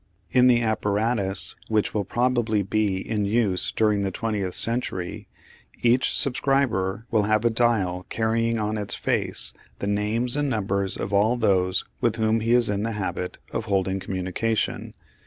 In the apparatus which will probably be in use during the twentieth century, each subscriber will have a dial carrying on its face the names and numbers of all those with whom he is in the habit of holding communication.